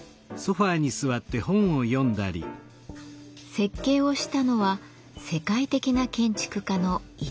設計をしたのは世界的な建築家の伊東豊雄さん。